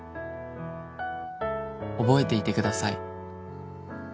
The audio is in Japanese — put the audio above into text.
「覚えていてください」